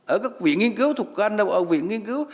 ở các viện nghiên cứu thuộc anh ở viện nghiên cứu